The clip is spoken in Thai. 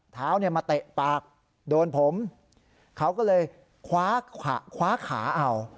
เท้าเนี่ยมาเตะปากโดนผมเขาก็เลยคว้าขาเอา